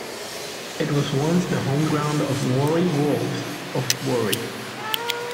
It was once the home ground of Warri Wolves of Warri.